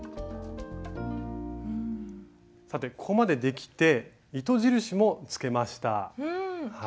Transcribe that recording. さてここまでできて糸印もつけました。